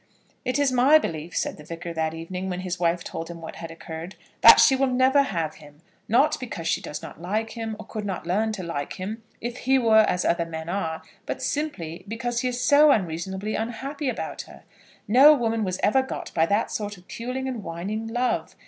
"It is my belief," said the Vicar, that evening, when his wife told him what had occurred, "that she will never have him; not because she does not like him, or could not learn to like him if he were as other men are, but simply because he is so unreasonably unhappy about her. No woman was ever got by that sort of puling and whining love.